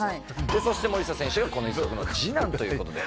そして森下選手がこの一族の次男という事で。